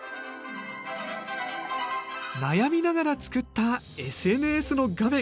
悩みながら作ったＳＮＳの画面。